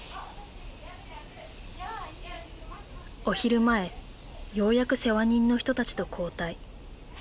お昼前ようやく世話人の人たちと交代。